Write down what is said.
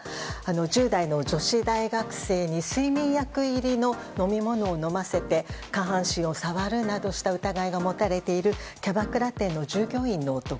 １０代の女子大学生に睡眠薬入りの飲み物を飲ませて下半身を触るなどした疑いが持たれているキャバクラ店の従業員の男。